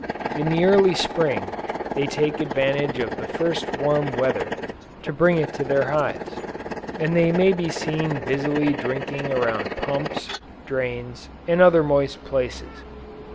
In the early Spring, they take advantage of the first warm weather, to bring it to their hives, and they may be seen busily drinking around pumps, drains, and other moist places.